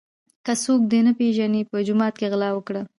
که څوک دي نه پیژني په جومات کي غلا وکړه.